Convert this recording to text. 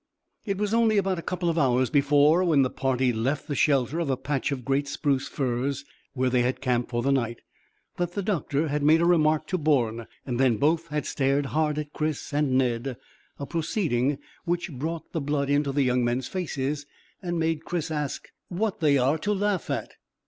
It was only about a couple of hours before, when the party left the shelter of a patch of great spruce firs where they had camped for the night, that the doctor had made a remark to Bourne, and then both had stared hard at Chris and Ned, a proceeding which brought the blood into the young men's faces and made Chris ask what they are to laugh at.